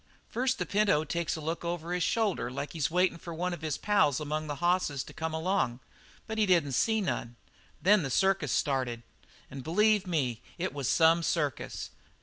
"First the pinto takes a look over his shoulder like he was waiting for one of his pals among the hosses to come along, but he didn't see none. Then the circus started. An' b'lieve me, it was some circus.